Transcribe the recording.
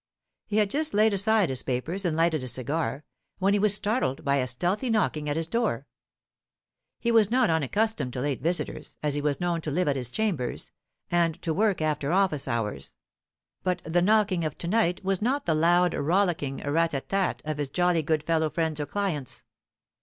He had just laid aside his papers and lighted a cigar, when he was startled by a stealthy knocking at his door. He was not unaccustomed to late visitors, as he was known to live at his chambers, and to work after office hours; but the knocking of to night was not the loud rollicking rat a tat of his jolly good fellow friends or clients.